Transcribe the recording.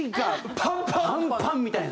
パンパンみたいな。